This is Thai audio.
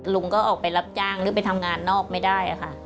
ลุงก็ออกไปรับจ้างหรือไปทำงานนอกไม่ได้ค่ะ